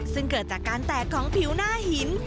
ซึ่งเกิดจากการแตกของผิวหน้าหิน